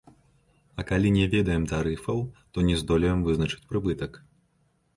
А калі не ведаем тарыфаў, то не здолеем вызначыць прыбытак.